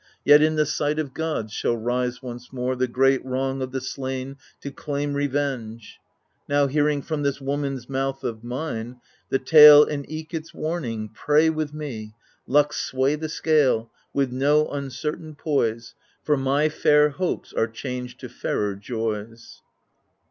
Yet in the sight of gods shall rise once more The great wrong of the slain, to claim revenge. Now, hearing from this woman's mouth of mine. The tale and eke its warning, pray with me. Luck sway the scale ^ with no uncertain poise. For my fair hopes are changed to fairer joys.